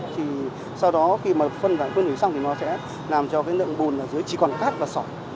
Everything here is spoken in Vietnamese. thì sau đó khi mà phân hủy xong thì nó sẽ làm cho cái lượng bùn là dưới chỉ còn cát và sỏi